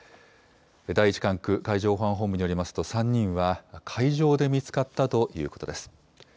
第１管区海上保安本部によりますと、３人は海上で見つかったということです。